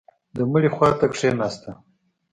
د مړي خوا ته کښېناسته.